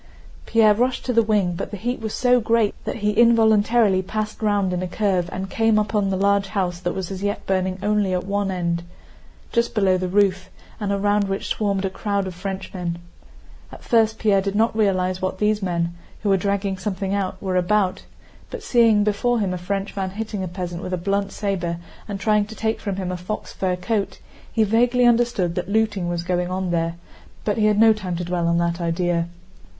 Pierre rushed to the wing, but the heat was so great that he involuntarily passed round in a curve and came upon the large house that was as yet burning only at one end, just below the roof, and around which swarmed a crowd of Frenchmen. At first Pierre did not realize what these men, who were dragging something out, were about; but seeing before him a Frenchman hitting a peasant with a blunt saber and trying to take from him a fox fur coat, he vaguely understood that looting was going on there, but he had no time to dwell on that idea.